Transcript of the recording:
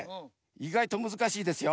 いがいとむずかしいですよ。